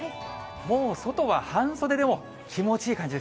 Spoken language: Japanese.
もう外は半袖でも気持ちいい感じ